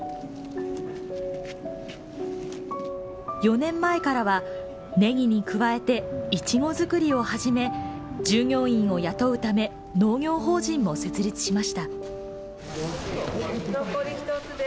４年前からはねぎに加えていちご作りを始め従業員を雇うため農業法人も設立しました。